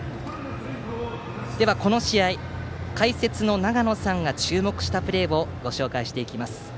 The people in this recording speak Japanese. では、この試合解説の長野さんが注目したプレーをご紹介していきます。